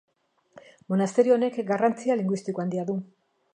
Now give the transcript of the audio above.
Monasterio honek garrantzia linguistiko handia du.